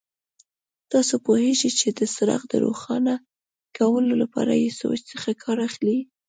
تاسو پوهېږئ چې د څراغ د روښانه کولو لپاره له سویچ څخه کار اخلي.